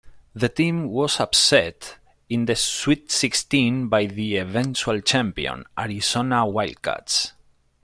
The team was upset in the Sweet Sixteen by the eventual champion, Arizona Wildcats.